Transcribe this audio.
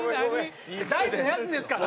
大事なやつですから。